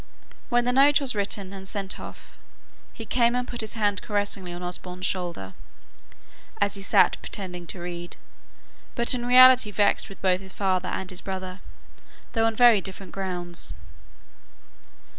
When the note was written, and sent off, he came and put his hand caressingly on Osborne's shoulder, as he sate pretending to read, but in reality vexed with both his father and his brother, though on very different grounds.